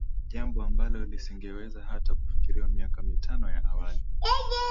jambo ambalo lisingeweza hata kufikiriwa miaka mitano ya awali